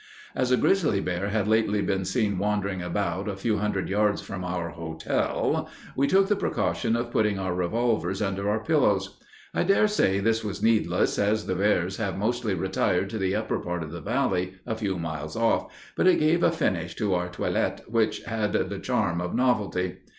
As a grizzly bear had lately been seen wandering about a few hundred yards from our "hotel," we took the precaution of putting our revolvers under our pillows. I dare say this was needless as the bears have mostly retired to the upper part of the valley, a few miles off, but it gave a finish to our toilet which had the charm of novelty.